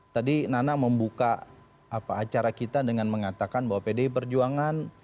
tadi nana membuka acara kita dengan mengatakan bahwa pdi perjuangan